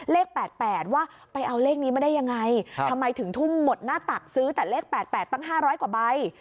เลข๘๘ว่าไปเอาเลขนี้มาได้ยังไงทำไมถึงทุ่มหมดหน้าตักซื้อแต่เลข๘๘ตั้ง๕๐๐กว่าใบ